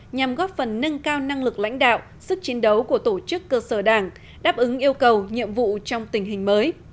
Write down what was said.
nhằm góp phần nâng cao năng lực lãnh đạo sức chiến đấu của tổ chức cơ sở đảng đáp ứng yêu cầu nhiệm vụ trong tình hình mới